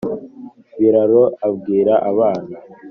biraro abwira abana